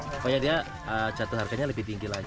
pokoknya dia jatuh harganya lebih tinggi lagi